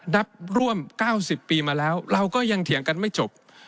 นับร่วม๙๐ปีมาแล้วเราก็ยังเถียงกันไม่จบ